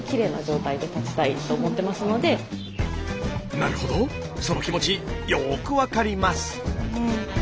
なるほどその気持ちよく分かります。